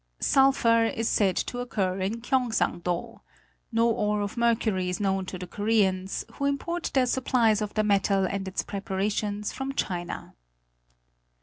Sulphur is said to occur Korea and the Koreans. 941 in Kyong sang do ; no ore of mercury is known to the Koreans, who import their supplies of the metal and its preparations from China.